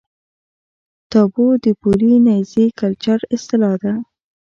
تابو د پولي نیزي کلچر اصطلاح ده.